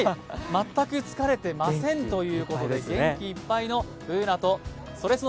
全く疲れてませんということで元気いっぱいのＢｏｏｎａと、「それスノ」